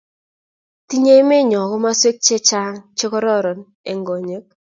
tinye emenyo komoswek che chang' che kororn eng' konyek